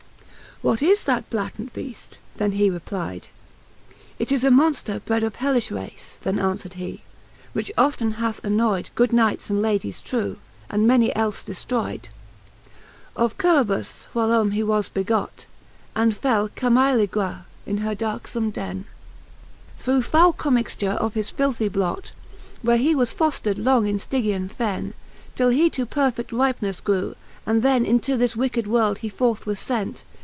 What is that Blatant Beast? then he replide. It is a Monster bred of hellifhe race. Then anfwerd he, which often hath annoy d Good Knights and Ladies true, and many elle destroyd, VIII. Of Cerberus whilome he was begot. And fell Chimo'ra in her darkefome den, Through fowle commixture of his filthy blot^ Where he was fostred long in Stygia?! fen, Till he to perfeti ripenefle grew, and then Into this wicked world he forth was fent.